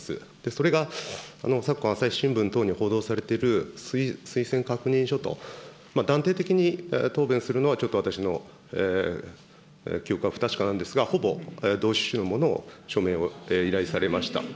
それが昨今、朝日新聞等で報道されている推薦確認書と、断定的に答弁するのは、ちょっと私の記憶が不確かなんですが、ほぼ同趣旨のものを署名を依頼されました。